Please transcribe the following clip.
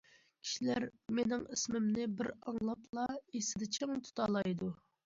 كىشىلەر مېنىڭ ئىسمىمنى بىر ئاڭلاپلا ئېسىدە چىڭ تۇتالايدۇ.